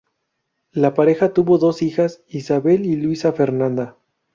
La pareja tuvo dos hijas, Isabel y Luisa Fernanda.